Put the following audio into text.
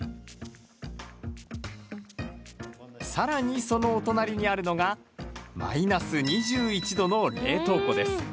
さらに、そのお隣にあるのがマイナス２１度の冷凍庫です。